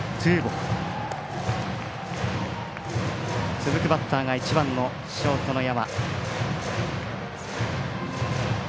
続くバッターが１番のショート山。